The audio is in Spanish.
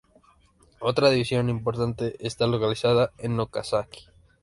Otra división importante está localizada en Okazaki.